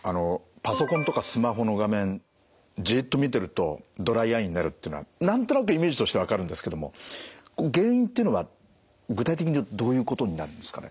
パソコンとかスマホの画面じっと見てるとドライアイになるってのは何となくイメージとして分かるんですけども原因っていうのは具体的にはどういうことになるんですかね。